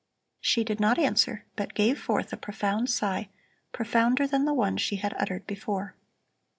She did not answer, but gave forth a profound sigh, profounder than the one she had uttered before.